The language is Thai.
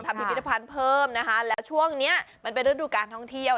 พิพิธภัณฑ์เพิ่มนะคะแล้วช่วงนี้มันเป็นฤดูการท่องเที่ยว